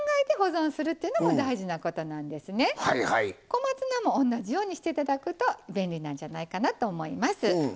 小松菜も同じようにして頂くと便利なんじゃないかなと思います。